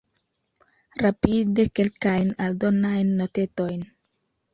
Rapide kelkajn aldonajn notetojn.